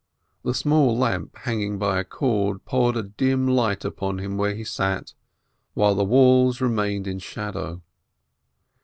The small lamp hanging by a cord poured a dim light upon him where he sat, while the walls remained in shadow.